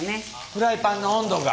フライパンの温度が！